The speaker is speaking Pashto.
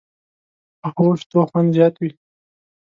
پخو شتو خوند زیات وي